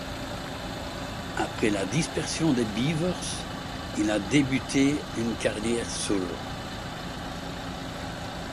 Après la dispersion des Beavers, il a débuté une carrière solo.